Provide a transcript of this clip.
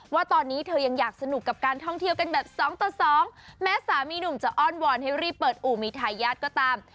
ว่าตอนนี้เธอยังอยากสนุกกับการท่องเที่ยวกันแบบสองต่อสองแม้สามีหนุ่มจะอ้อนวอนให้รีบเปิดอู่มีทายาทก็ตาม